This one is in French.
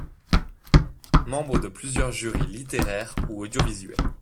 Membre de plusieurs jurys littéraires ou audiovisuels.